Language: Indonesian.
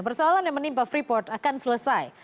persoalan yang menimpa freeport akan selesai